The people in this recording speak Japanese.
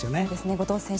後藤選手